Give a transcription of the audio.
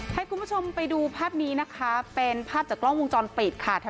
ให้คุณผู้ชมไปดูภาพนี้นะคะเป็นภาพจากกล้องวงจรปิดค่ะ